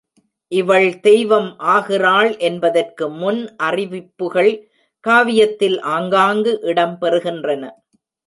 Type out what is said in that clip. இவள் தெய்வம் ஆகிறாள் என்பதற்கு முன் அறிவிப்புகள் காவியத்தில் ஆங்காங்கு இடம் பெறுகின்றன.